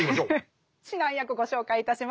指南役ご紹介いたします。